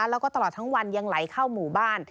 แล้วก็ตลอดทั้งวันยังไหลเข้าหมู่บ้าน